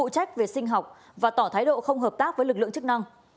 trách về sinh học và tỏ thái độ không hợp tác với lực lượng chức năng